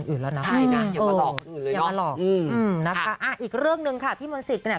อืมอะไรก็อีกเรื่องหนึ่งค่ะที่มนสิทธิ์เนี่ย